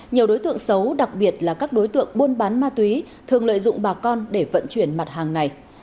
nhiều đối tượng xấu đặc biệt là các đối tượng buôn bán ma túy thường lợi dụng bà con để vận chuyển ma túy